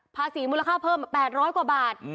มูลค่าเพิ่ม๘๐๐กว่าบาท